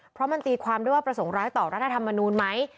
เพราะมันตีความด้วยว่าประสงค์ร้ายต่อรัฐธรรมนูลไหม